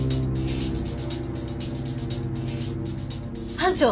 班長！